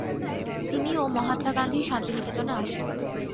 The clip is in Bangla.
তিনি ও মহাত্মা গান্ধী শান্তি নিকেতনে আসেন।